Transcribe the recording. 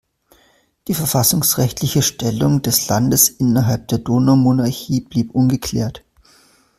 Die verfassungsrechtliche Stellung des Landes innerhalb der Donaumonarchie blieb ungeklärt.